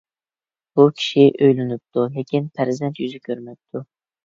بۇ كىشى ئۆيلىنىپتۇ، لېكىن پەرزەنت يۈزى كۆرمەپتۇ.